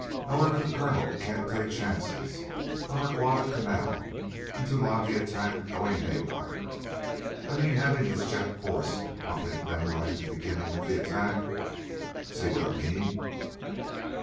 However, the colonel can't take chances on our Guadalcanal and Tulagi attack going haywire. I mean, having this Jap force bump into them right at the beginning of the attack. See what I mean?"